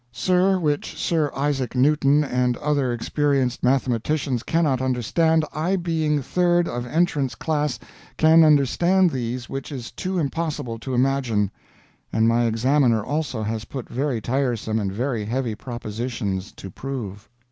Sir which Sir Isaac Newton and other experienced mathematicians cannot understand I being third of Entrance Class can understand these which is too impossible to imagine. And my examiner also has put very tiresome and very heavy propositions to prove."